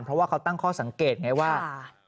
เพราะว่าเขาตั้งข้อสังเกตไงว่า